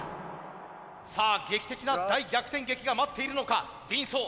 さあ劇的な大逆転劇が待っているのかＤンソー。